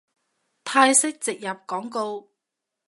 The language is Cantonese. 泰式植入廣告